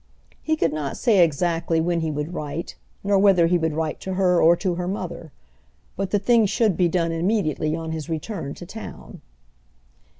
He could not say exactly when he would write, nor whether he would write to her or to her mother; but the thing should be done immediately on his return to town.